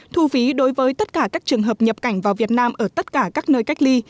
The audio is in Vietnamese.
thu phí đối với tất cả các trường hợp nhập cảnh vào việt nam ở tất cả các nơi cách ly